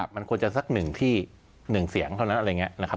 มันควรจะซักหนึ่งที่หนึ่งเสียงเท่านั้นอะไรแบบนี้